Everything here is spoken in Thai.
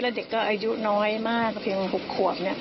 แล้วเด็กก็อายุน้อยมากเพียง๖ขวบ